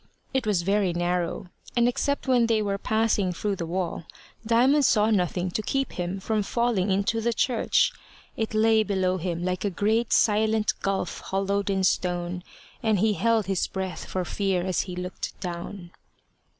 It was very narrow, and except when they were passing through the wall, Diamond saw nothing to keep him from falling into the church. It lay below him like a great silent gulf hollowed in stone, and he held his breath for fear as he looked down.